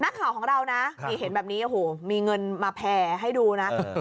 นักข่าวของเรานะนี่เห็นแบบนี้โอ้โหมีเงินมาแผ่ให้ดูนะ